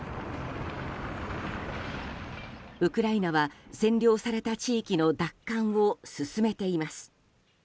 ウクライナは、占領された地域の奪還を進めています。